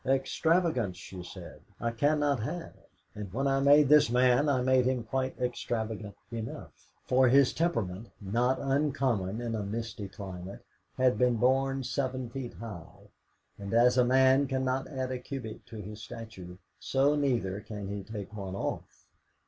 Extravagance, she said, I cannot have, and when I made this man I made him quite extravagant enough. For his temperament (not uncommon in a misty climate) had been born seven feet high; and as a man cannot add a cubit to his stature, so neither can he take one off.